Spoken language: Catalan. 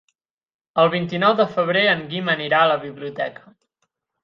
El vint-i-nou de febrer en Guim anirà a la biblioteca.